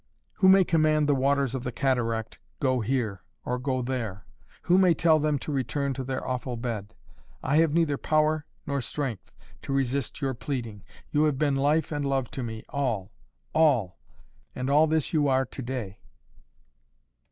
"Who may command the waters of the cataract, go here, or go there? Who may tell them to return to their lawful bed? I have neither power nor strength, to resist your pleading. You have been life and love to me, all, all, and all this you are to day.